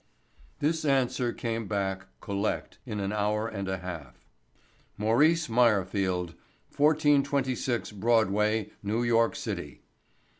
This answer came back—collect—in an hour and a half: MAURICE MEYERFIELD, 1426 BROADWAY, NEW YORK CITY.